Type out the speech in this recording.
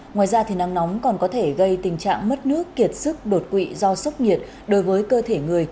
ngoài ra nắng nóng còn có thể gây tình trạng mất nước kiệt sức đột quỵ do sốc nhiệt đối với cơ thể người